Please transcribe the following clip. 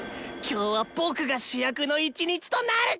今日は僕が主役の一日となる！